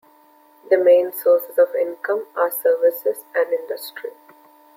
The main sources of income are services and industry.